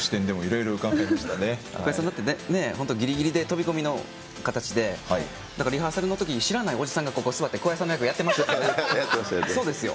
桑井さんだってぎりぎりの飛び込みの形でだからリハーサルのときに知らないおじさんがここ座って桑井さんの役をやってましたよ。